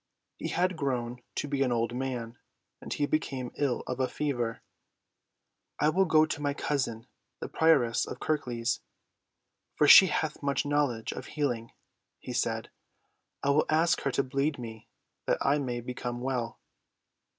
He had grown to be an old man, and he became ill of a fever. "I will go to my cousin, the prioress of Kirklees, for she hath much knowledge of healing," he said. "I will ask her to bleed me that I may become well."